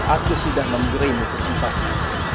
aku sudah memberimu kesimpangan